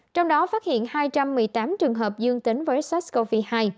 trong đó phát hiện hai trăm một mươi tám trường hợp dương tính với sars cov hai